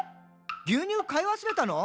牛乳買い忘れたの？」